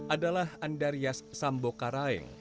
adalah andaryas sambokaraeng